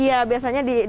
iya biasanya di jerman